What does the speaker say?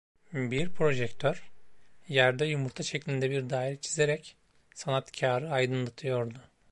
Bir projektör, yerde yumurta şeklinde bir daire çizerek, sanatkârı aydınlatıyordu.